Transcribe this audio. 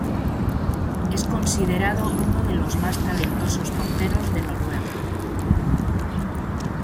Es considerado uno del más talentosos porteros de Noruega.